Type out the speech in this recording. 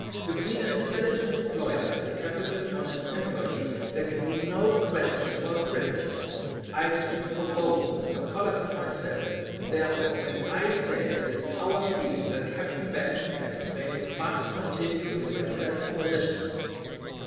Between an intelligent employer and a capable, honest employe there can be no question about gratitude. I speak for both Mr. Pollard and myself, therefore, when I say that it is our feeling that Captain Benson and his mates must continue in their present positions."